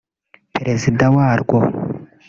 Perezida warwo